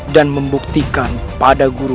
dan membuktikan pada guru